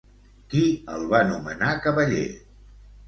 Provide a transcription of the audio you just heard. Qui el va nomenar cavaller?